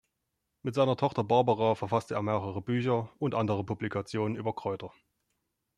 Mit seiner Tochter Barbara verfasste er mehrere Bücher und andere Publikationen über Kräuter.